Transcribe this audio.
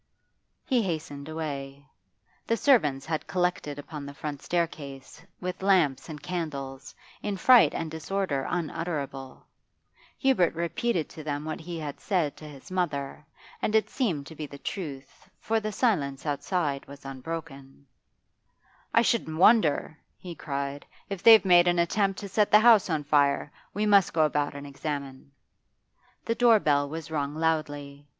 He hastened away. The servants had collected upon the front staircase, with lamps and candles, in fright and disorder unutterable. Hubert repeated to them what he had said to his mother, and it seemed to be the truth, for the silence outside was unbroken. 'I shouldn't wonder,' he cried, 'if they've made an attempt to set the house on fire. We must go about and examine.' The door bell was rung loudly.